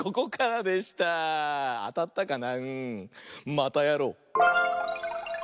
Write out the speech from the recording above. またやろう！